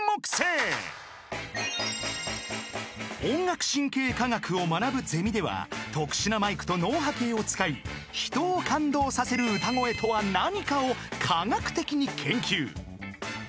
［音楽神経科学を学ぶゼミでは特殊なマイクと脳波計を使い人を感動させる歌声とは何かを科学的に研究］